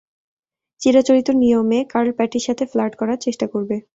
চিরাচরিত নিয়মে, কার্ল প্যাটির সাথে ফ্লার্ট করার চেষ্টা করবে।